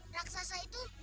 raksasa itu baik